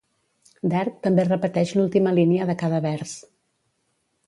Darke també repeteix l"última línia de cada vers.